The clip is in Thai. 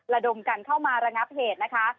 ระดมกันเข้ามาระงับเหตุนะคะ